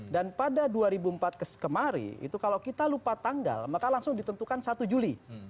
dan pada dua ribu empat kemarin itu kalau kita lupa tanggal maka langsung ditentukan satu juli